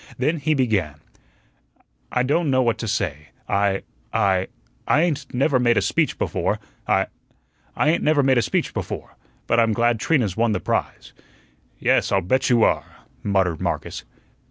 Then he began: "I don' know what to say I I I ain't never made a speech before; I I ain't never made a speech before. But I'm glad Trina's won the prize " "Yes, I'll bet you are," muttered Marcus.